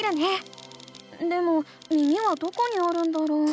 でも耳はどこにあるんだろう？